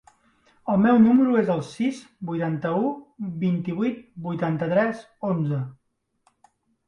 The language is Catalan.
El meu número es el sis, vuitanta-u, vint-i-vuit, vuitanta-tres, onze.